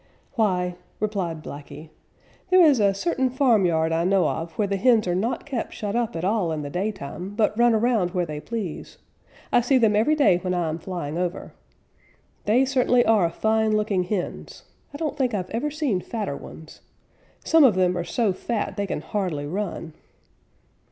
"Why," replied Blacky, "there is a certain farmyard I know of where the hens are not kept shut up at all in the daytime, but run around where they please. I see them every day when I am flying over. They certainly are fine looking hens. I don't think I've ever seen fatter ones. Some of them are so fat they can hardly run."